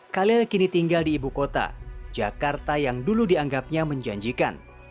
khalil kini tinggal di ibu kota jakarta yang dulu dianggapnya menjanjikan